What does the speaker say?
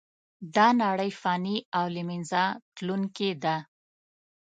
دا نړۍ فانې او له منځه تلونکې ده .